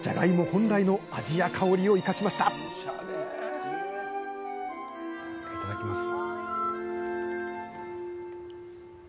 本来の味や香りを生かしましたいただきます。